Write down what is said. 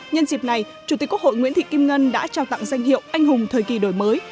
nhân dịp này chủ tịch quốc hội nguyễn thị kim ngân đã trao tặng danh hiệu anh hùng thời kỳ đổi mới